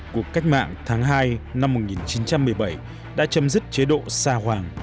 cuộc cách mạng tháng hai năm một nghìn chín trăm một mươi bảy đã chấm dứt chế độ xa hoàng